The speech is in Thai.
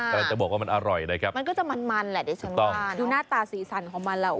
กำลังจะบอกว่ามันอร่อยนะครับมันก็จะมันมันแหละเดี๋ยวฉันว่าดูหน้าตาสีสันของมันแหละ